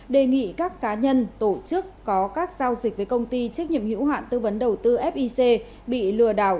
đề nghị các cá nhân tổ chức có các giao dịch với công ty trách nhiệm hữu hạn tư vấn đầu tư fic bị lừa đảo